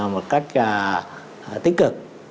một cách tích cực